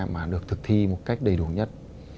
mà được thực thi một cách đầy đủ nhất